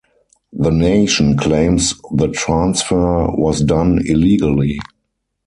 The Nation claims the transfer was done illegally.